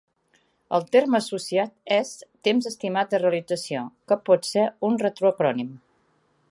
El terme associat és "temps estimat de realització", que pot ser un retroacrònim.